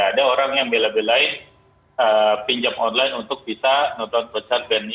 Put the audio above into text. ada orang yang beli beli pinjam online untuk kita nonton konser band ini